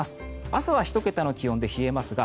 朝は１桁の気温で冷えますが